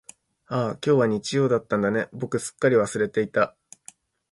ああ、今日は日曜だったんだね、僕すっかり忘れていた。